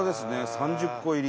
３０個入り。